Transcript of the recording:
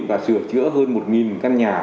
và sửa chữa hơn một căn nhà